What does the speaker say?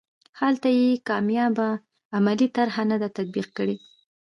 هلته یې کامیابه عملي طرحه نه ده تطبیق کړې.